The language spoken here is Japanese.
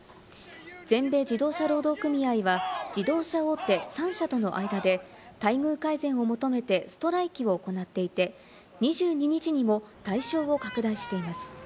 全米自動車労働組合は自動車大手３社との間で待遇改善を求めてストライキを行っていて、２２日にも対象を拡大しています。